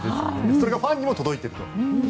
それがファンにも届いていると。